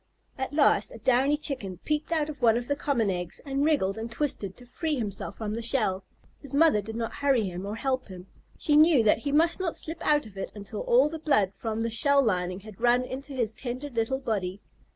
At last a downy Chicken peeped out of one of the common eggs, and wriggled and twisted to free himself from the shell. His mother did not hurry him or help him. She knew that he must not slip out of it until all the blood from the shell lining had run into his tender little body.